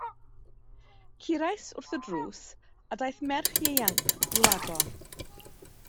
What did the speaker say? Curais wrth y drws, a daeth merch ieuanc i'w agor.